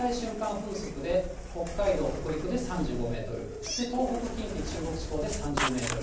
風速で北海道、北陸で３５メートル、東北、近畿、中国地方で３０メートル。